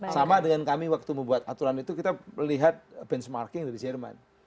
sama dengan kami waktu membuat aturan itu kita melihat benchmarking dari jerman